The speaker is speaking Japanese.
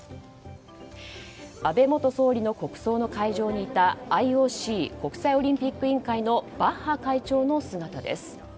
安倍元総理の国葬の会場にいたＩＯＣ・国際オリンピック委員会のバッハ会長の姿です。